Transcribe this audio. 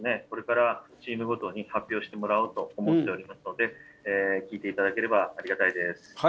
これからチームごとに発表してもらおうと思っておりますので聞いていただければありがたいです。